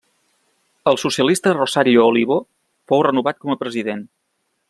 El socialista Rosario Olivo fou renovat com a president.